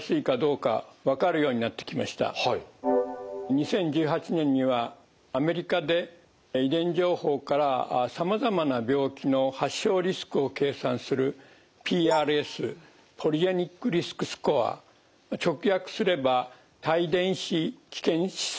２０１８年にはアメリカで遺伝情報からさまざまな病気の発症リスクを計算するＰＲＳポリジェニックリスクスコア直訳すれば多遺伝子危険指数というのでしょうか。